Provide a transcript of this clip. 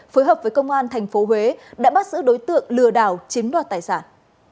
phối hợp với công an thành phố huế đã bắt giữ đối tượng lừa đảo chiếm đoạt tài sản